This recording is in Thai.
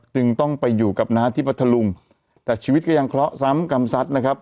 จึงต้องไปอยู่กับน้าที่พัทธลุงแต่ชีวิตก็ยังเคราะห์ซ้ำกรรมซัดนะครับ